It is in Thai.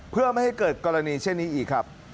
เพื่อไม่ให้เกิดกรณีเช่นนี้อีกครับ